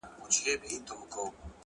هر منزل د جرئت غوښتنه کوي’